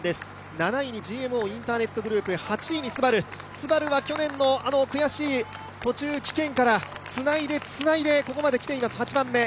７位にＧＭＯインターネットグループ８位にＳＵＢＡＲＵ、ＳＵＢＡＲＵは去年の悔しい途中棄権からつないでつないでここまで来ています、８番目。